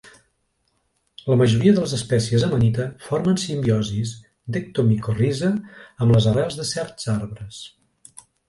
La majoria de les espècies "Amanita" formen simbiosis d'ectomicorriza amb les arrels de certs arbres.